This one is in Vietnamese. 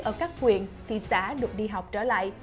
ở các huyện thị xã được đi học trở lại